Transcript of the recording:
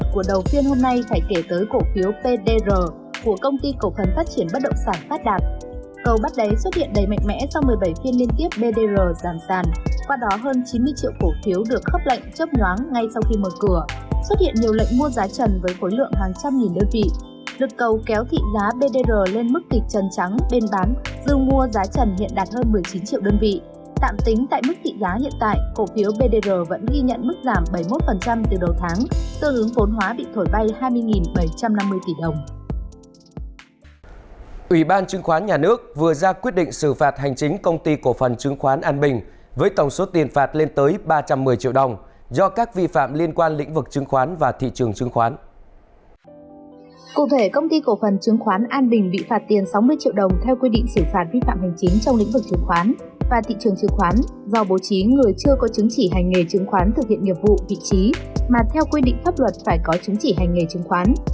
cụ thể công ty cổ phần chứng khoán an bình bị phạt tiền sáu mươi triệu đồng theo quy định xử phạt vi phạm hành chính trong lĩnh vực chứng khoán và thị trường chứng khoán do bố trí người chưa có chứng chỉ hành nghề chứng khoán thực hiện nghiệp vụ vị trí mà theo quy định pháp luật phải có chứng chỉ hành nghề chứng khoán